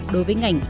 đối với ngành